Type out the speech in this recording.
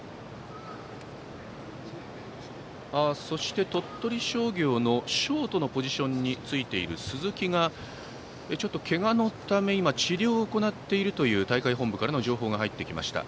そして、鳥取商業のショートのポジションについている鈴木がけがのため、今治療を行っているという情報が入ってきました。